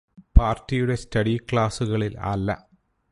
പാർടിയുടെ study ക്ലാസുകളിൽ അല്ല